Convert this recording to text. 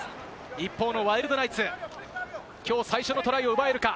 一方のワイルドナイツ、きょう最初のトライを奪えるか？